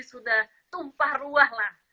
sudah tumpah ruah lah